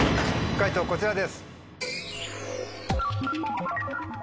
解答こちらです。